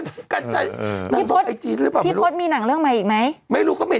ไม่กันใจนางบอกไอจีซหรือเปล่าพี่พศมีหนังเรื่องใหม่อีกไหมไม่รู้ก็ไม่